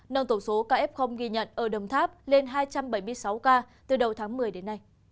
nâng tổng số caf ghi nhận ở đồng tháp lên hai trăm bảy mươi sáu ca từ đầu tháng một mươi đến nay